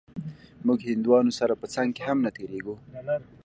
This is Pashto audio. موږ هندوانو سره په څنگ کښې هم نه تېرېږو.